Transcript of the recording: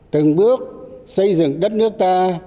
từng bước xây dựng đất nước ta